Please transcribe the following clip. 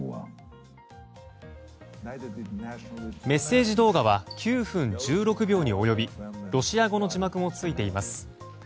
メッセージ動画は９分１６秒に及びロシア語の字幕もついています。